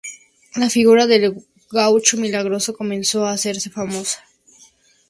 La figura del "gaucho milagroso" comenzó a hacerse famosa.